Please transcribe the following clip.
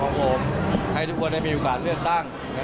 ในที่ดังที่ถูกต้องนะ